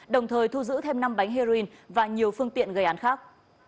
đồng thời thu giữ thêm năm bánh heroin và nhiều phương tiện gây án khác